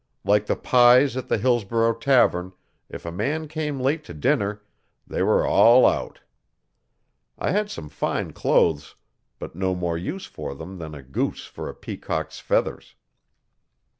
Like the pies at the Hillsborough tavern, if a man came late to dinner they were all out. I had some fine clothes, but no more use for them than a goose for a peacock's feathers.